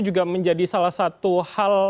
juga menjadi salah satu hal